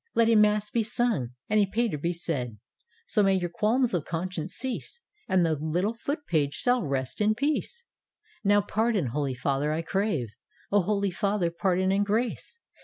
Let a mass be sung, and a pater be said: So may your qualms of conscience cease, And the little Foot page shall rest in peace! "" Now pardon, Holy Father, I crave. Holy Father, pardon and grace!